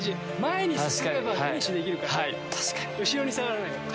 後ろに下がらないこと。